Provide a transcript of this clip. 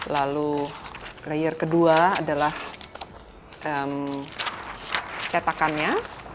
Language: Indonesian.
lalu layer kedua adalah cetakannya